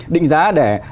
định giá để